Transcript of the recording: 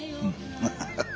ハハハ。